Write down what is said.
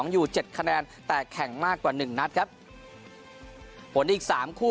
อยู่๗คะแนนแต่แข่งมากกว่า๑นัดครับผลอีก๓คู่